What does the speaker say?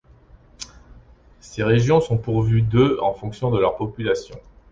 Ces régions sont pourvus de en fonction de leur population.